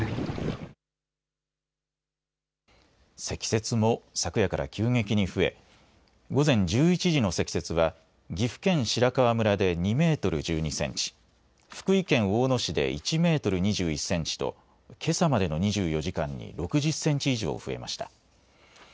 積雪も昨夜から急激に増え午前１１時の積雪は岐阜県白川村で２メートル１２センチ、福井県大野市で１メートル２１センチとけさまでの２４時間に６０センチ以上増えました。